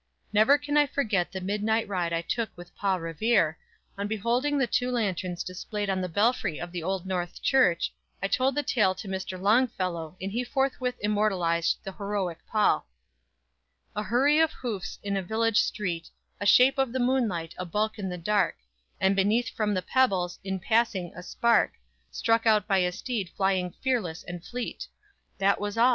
Never can I forget the midnight ride I took with PAUL REVERE, on beholding the two lanterns displayed on the belfry of the "Old North Church"; I told the tale to Mr. Longfellow, and he forthwith immortalized the heroic Paul: _"A hurry of hoofs in a village street, A shape in the moonlight, a bulk in the dark, And beneath from the pebbles, in passing, a spark Struck out by a steed flying fearless and fleet; That was all!